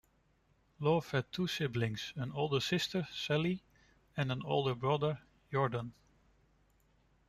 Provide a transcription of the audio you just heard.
Love had two siblings: an older sister, Sally, and an older brother, Jordan.